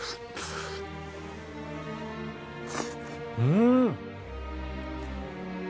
うん。